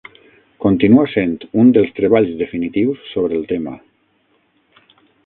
Continua sent un dels treballs definitius sobre el tema.